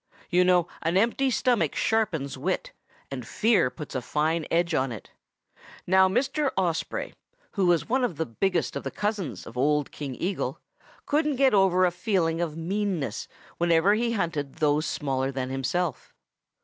You know an empty stomach sharpens wit, and fear puts a fine edge on it. Now Mr. Osprey, who was one of the biggest of the cousins of old King Eagle, couldn't get over a feeling of meanness whenever he hunted those smaller than himself.